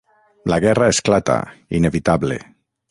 La guerra esclata, inevitable.